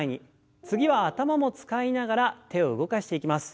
次は頭も使いながら手を動かしていきます。